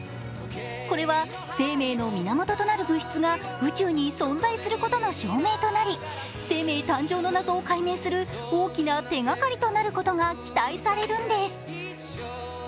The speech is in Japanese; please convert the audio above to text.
これは生命の源となる物質が宇宙に存在することの証明となり生命誕生の謎を解明する大きな手がかりとなることが期待されるんです。